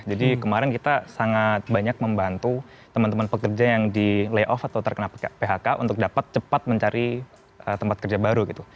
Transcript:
jadi kemarin kita sangat banyak membantu teman teman pekerja yang di lay off atau terkena phk untuk dapat cepat mencari tempat kerja baru gitu